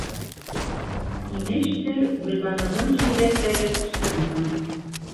Имештер, Гөлбаныуҙың игеҙәктәре ҡустыһынан...